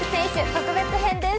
特別編です。